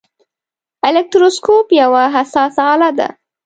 الکتروسکوپ یوه حساسه آله ده.